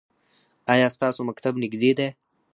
ایا ستاسو مکتب نږدې دی؟